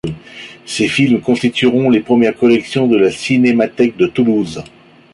Ces films constitueront les premières collections de la Cinémathèque de Toulouse.